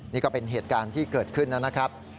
นี่ก็เป็นเหตุการณ์ที่เกิดขึ้นนะครับ